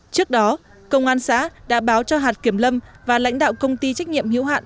trước đó công an xã đã báo cho hạt kiểm lâm và lãnh đạo công ty trách nhiệm hữu hạn